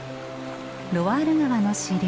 ロワール川の支流